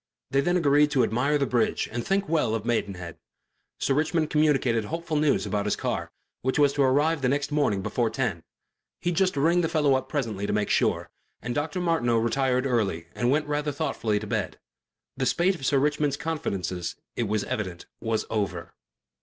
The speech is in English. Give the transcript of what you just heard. They then agreed to admire the bridge and think well of Maidenhead. Sir Richmond communicated hopeful news about his car, which was to arrive the next morning before ten he'd just ring the fellow up presently to make sure and Dr. Martineau retired early and went rather thoughtfully to bed. The spate of Sir Richmond's confidences, it was evident, was over.